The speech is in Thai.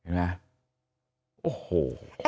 เห็นไหม